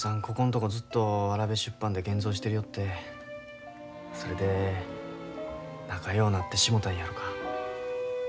ここんとこずっとわらべ出版で現像してるよってそれで仲ようなってしもたんやろか。